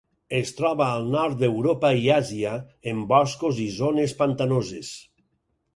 Es troba al nord d'Europa i Àsia, en boscos i zones pantanoses.